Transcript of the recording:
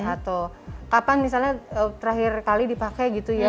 atau kapan misalnya terakhir kali dipakai gitu ya